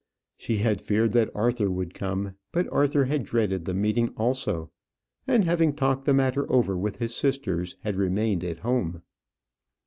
She had feared that Arthur would come: but Arthur had dreaded the meeting also; and, having talked the matter over with his sisters, had remained at home.